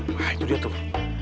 wah itu dia tuh